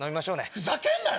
ふざけんなよ！